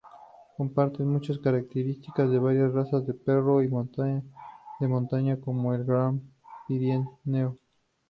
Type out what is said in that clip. Comparten muchas características de varias razas de Perro de montaña como, el Gran Pirineo.